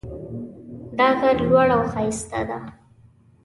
دا غر لوړ او ښایسته ده